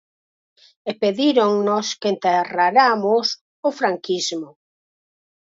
E pedíronnos que enterraramos o franquismo.